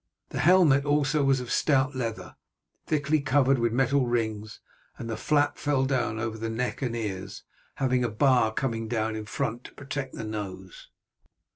The helmet, also, was of stout leather, thickly covered with metal rings, and the flap fell down over the neck and ears, having a bar coming down in front to protect the nose.